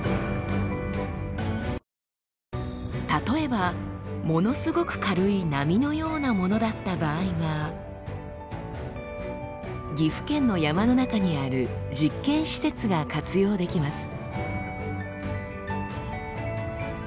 例えばものすごく軽い波のようなものだった場合は岐阜県の山の中にある実験施設が活用できます。